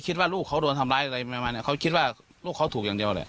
คิดว่าเป็นครอบครัวถูกอย่างเดียวแหละ